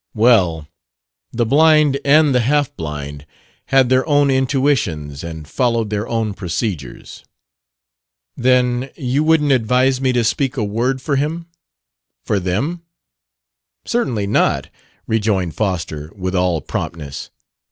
Well, the blind and the half blind had their own intuitions and followed their own procedures. "Then you wouldn't advise me to speak a word for him? for them?" "Certainly not!" rejoined Foster, with all promptness.